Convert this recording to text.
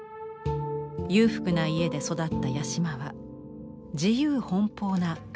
裕福な家で育った八島は自由奔放なガキ大将でした。